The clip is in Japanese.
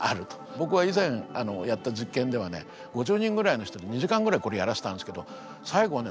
僕が以前やった実験ではね５０人ぐらいの人に２時間ぐらいこれやらせたんですけど最後はね